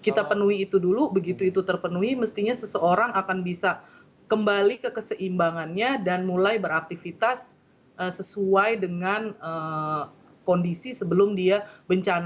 kita penuhi itu dulu begitu itu terpenuhi mestinya seseorang akan bisa kembali ke keseimbangannya dan mulai beraktivitas sesuai dengan kondisi sebelum dia bencana